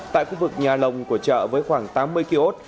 tại khu vực nhà lồng của chợ với khoảng tám mươi ký ốt